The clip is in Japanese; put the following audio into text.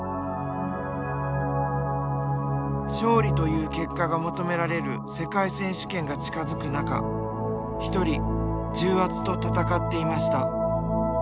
勝利という結果が求められる世界選手権が近づく中一人重圧と闘っていました。